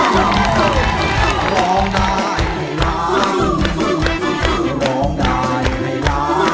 สวัสดีครับ